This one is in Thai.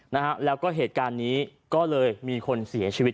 นะฮะแล้วก็เหตุการณ์นี้ก็เลยมีคนเสียชีวิต